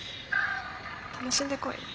楽しんでこい。